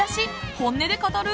本音で語る？